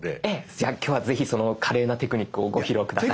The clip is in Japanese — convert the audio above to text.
じゃあ今日はぜひその華麗なテクニックをご披露下さい。